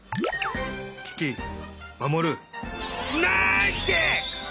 キキマモルナイスチェック！